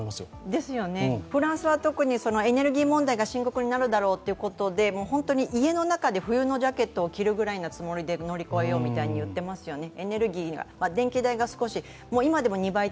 ですよね、フランスは特にエネルギー問題が深刻になるだろうということで本当に家の中で冬のジャケットを着るぐらいなつもりで乗り越えようと言っていますよね。